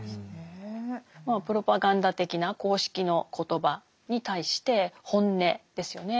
まあプロパガンダ的な公式の言葉に対して本音ですよね。